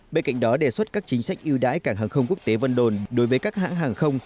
bên cạnh đó đề xuất các chính sách yêu đãi cảng hàng không quốc tế vân đồn đối với các hãng hàng không